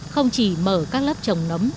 không chỉ mở các lớp trồng nấm